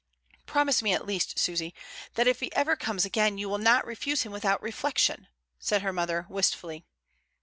"Promise me at least, Susy, that if he ever comes again you will not refuse him without reflec tion," said her mother, wistfully.